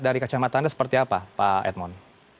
dari kacamata anda seperti apa pak edmond